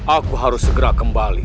aku harus segera kembali